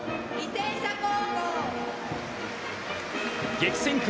激戦区